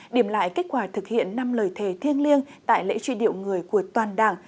điểm lại kết quả thực hiện năm lời thề thiêng liêng tại lễ truy điệu người của toàn đảng